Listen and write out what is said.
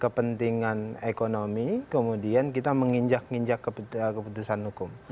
kepentingan ekonomi kemudian kita menginjak ninjak keputusan hukum